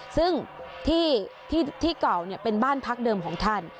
ซึ่งที่เก่าเป็นบ้านพักเดิมของท่าน